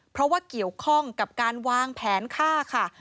เพราะว่าเกี่ยวข้องกับการวางแผนฆ่าค่ะ